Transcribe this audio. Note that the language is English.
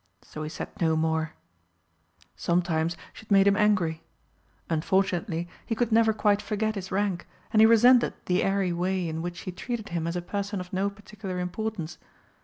So he said no more. Sometimes she had made him angry. Unfortunately he could never quite forget his rank, and he resented the airy way in which she treated him as a person of no particular importance.